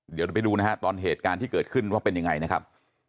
เดี๋ยวเราไปดูนะฮะตอนเหตุการณ์ที่เกิดขึ้นว่าเป็นยังไงนะครับ